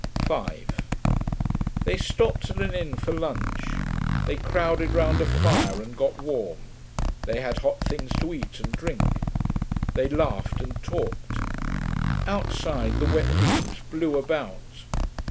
5 They stopped at an inn for lunch. They crowded round a fire and got warm. They had hot things to eat and drink. They laughed and talked. Outside the wet leaves blew about.